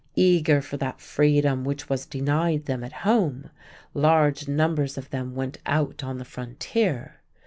Eager for that freedom which was denied them at home, large numbers of them went out on the frontier.